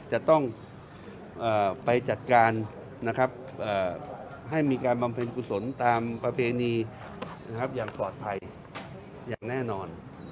จะต้องไปจัดการให้มีการบำเพ็ญกุศลตามประเพณีอย่างปลอดภัยอย่างแน่นอน